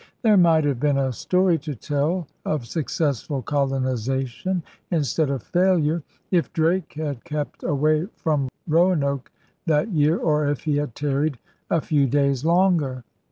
There might have been a story to tell of successful colonization, in stead of failm^e, if Drake had kept away from Roanoke that year or if he had tarried a few days longer.